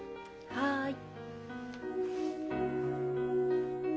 はい。